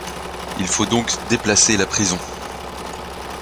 Il faut donc déplacer la prison.